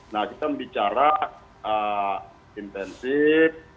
nah kita bicara intensif